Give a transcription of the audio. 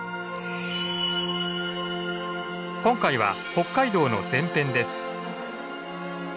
今回は北海道の前編です。